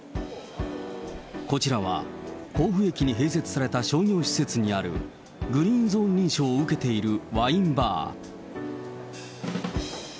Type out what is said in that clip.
こちらは甲府駅に併設された商業施設にある、グリーン・ゾーン認証を受けているワインバー。